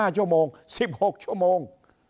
๕ชั่วโมง๑๖ชั่วโมง